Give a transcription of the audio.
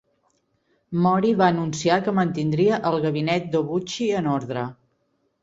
Mori va anunciar que mantindria el gabinet d'Obuchi en ordre.